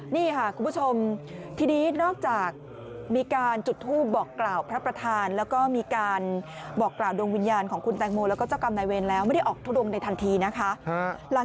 นี่ค่ะคุณผู้ชมทีนี้นอกจากมีการจุดทูปบอกกล่าวพระประธานแล้วก็มีการบอกกล่าวดวงวิญญาณของคุณแตงโมแล้วก็เจ้ากรรมนายเวรแล้วไม่ได้ออกทุดงในทันทีนะคะ